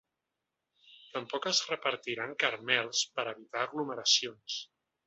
Tampoc es repartiran caramels per evitar aglomeracions.